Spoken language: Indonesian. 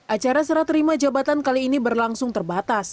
acara serah terima jabatan kali ini berlangsung terbatas